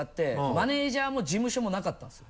マネジャーも事務所もなかったんですよ。